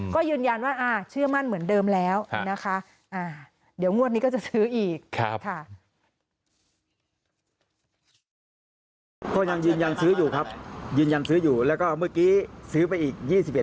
ก็ยืนยันว่าเชื่อมั่นเหมือนเดิมแล้วนะคะเดี๋ยวงวดนี้ก็จะซื้ออีกค่ะ